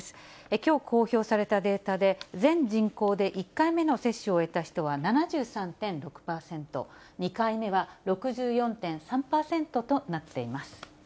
きょう公表されたデータで、全人口で１回目の接種を終えた人は７３．６％、２回目は６４．３％となっています。